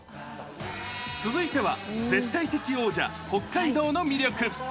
続いては、絶対的王者、北海道の魅力。